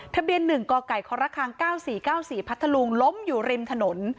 ทะเบียน๑กไก่ครค๙๔๙๔พัทธลุงล้มอยู่ริมถนน